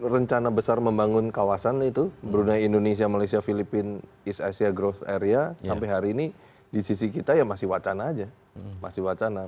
rencana besar membangun kawasan itu brunei indonesia malaysia filipina east asia growth area sampai hari ini di sisi kita ya masih wacana aja masih wacana